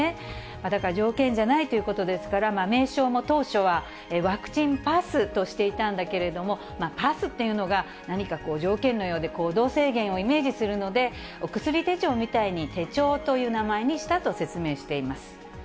だから条件じゃないということですから、名称も当初はワクチンパスとしていたんだけれども、パスっていうのが、何かこう、条件のようで行動制限をイメージするので、お薬手帳みたいに手帳という名前にしたと説明しています。